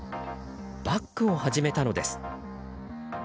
バックを始めたのです。